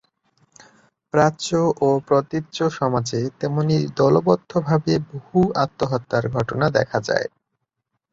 প্রাচ্য ও প্রতীচ্য সমাজে তেমনি দলবদ্ধভাবে বহু আত্মহত্যার ঘটনা দেখা যায়।